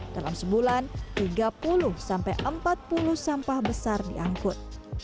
dalam sebulan tiga puluh sampai empat puluh sampah besar diangkut